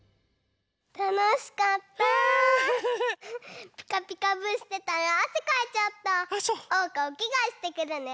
おうかおきがえしてくるね。